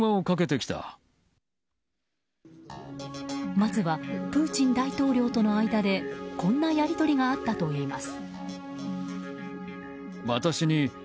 まずはプーチン大統領との間でこんなやり取りがあったといいます。